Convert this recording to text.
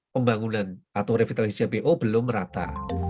pembangunan atau revitalisasi jpo belum rata